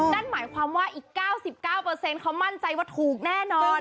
นั่นหมายความว่าอีก๙๙เขามั่นใจว่าถูกแน่นอน